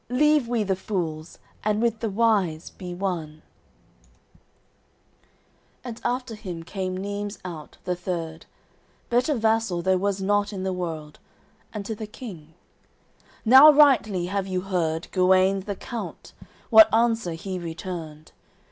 Leave we the fools, and with the wise be one." AOI. XVI And after him came Neimes out, the third, Better vassal there was not in the world; And to the King: "Now rightly have you heard Guenes the Count, what answer he returned.